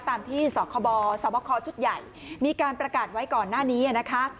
ตามที่สคบสบคชุดใหญ่มีการประกาศไว้ก่อนหน้านี้นะคะ